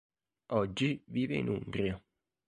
Oggi vive in Umbria.